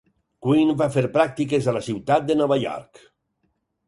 Quinn va fer pràctiques a la ciutat de Nova York.